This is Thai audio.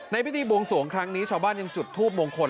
พิธีบวงสวงครั้งนี้ชาวบ้านยังจุดทูปมงคล